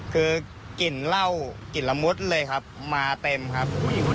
คือกลิ่นเร่าละมุดเลยครับมาเต็มครับ